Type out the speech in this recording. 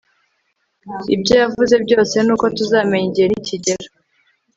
Ibyo yavuze byose ni uko tuzamenya igihe nikigera